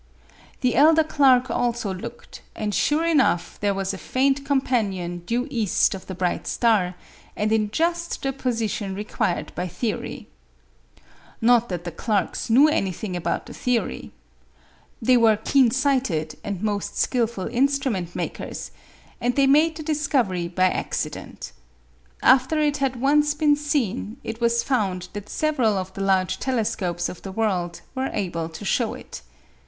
The elder Clark also looked, and sure enough there was a faint companion due east of the bright star, and in just the position required by theory. Not that the Clarks knew anything about the theory. They were keen sighted and most skilful instrument makers, and they made the discovery by accident. After it had once been seen, it was found that several of the large telescopes of the world were able to show it.